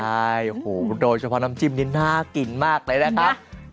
ใช่โดยเฉพาะน้ำจิ้มนี่น่ากินมากเลยนะครับ